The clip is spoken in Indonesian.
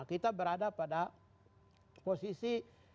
kita berada pada posisi tujuh puluh sembilan